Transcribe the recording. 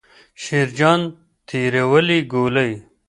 شیرجان تېرې ولي ګولۍ.